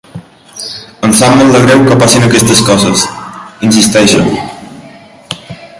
Em sap molt de greu que passin aquestes coses —insisteixo.